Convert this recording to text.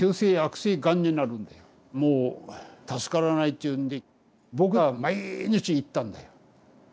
もう助からないっていうんで僕は毎日行ったんだよ。